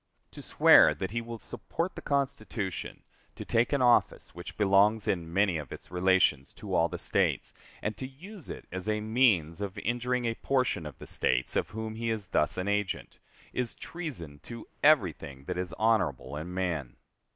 To swear that he will support the Constitution, to take an office which belongs in many of its relations to all the States, and to use it as a means of injuring a portion of the States of whom he is thus an agent, is treason to everything that is honorable in man.